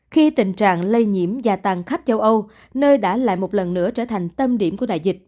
khi tình trạng lây nhiễm gia tăng khắp châu âu nơi đã lại một lần nữa trở thành tâm điểm của đại dịch